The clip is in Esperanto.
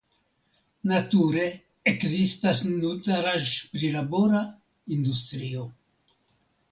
Nature ekzistas nutraĵprilabora industrio.